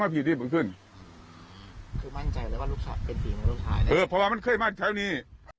เพราะว่ามันเคยมั่นแถวนี้